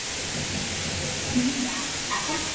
They were edited by Johann Gottlieb Georgi.